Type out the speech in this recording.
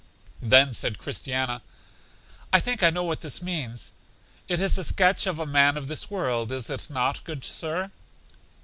Then said Christiana: I think I know what this means. It is a sketch of a man of this world, is it not, good Sir?